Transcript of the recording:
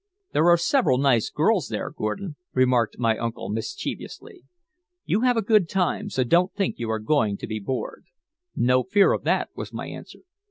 "There are several nice girls there, Gordon," remarked my uncle mischievously. "You have a good time, so don't think you are going to be bored." "No fear of that," was my answer.